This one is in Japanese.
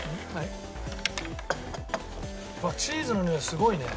うわっチーズのにおいすごいね。